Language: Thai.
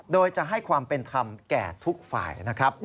โดยจะให้ความเป็นธรรมแก่ทุกฝ่ายนะครับ